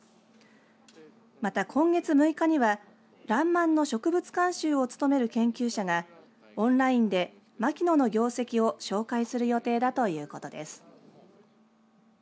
また今月６日にはらんまんの植物監修を務める研究者がオンラインで秋野の業績を紹介する予定だということです。